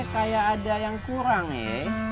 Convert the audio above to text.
kayak ada yang kurang ya